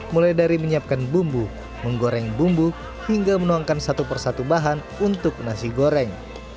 mulai dari menyiapkan bumbu menggoreng bumbu hingga menuangkan satu persatu bahan untuk nasi goreng